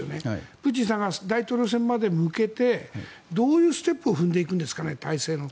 プーチンさんが大統領選に向けてどういうステップを踏んでいくんですかね